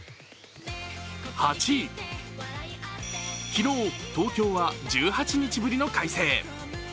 昨日、東京は１８日ぶりの快晴。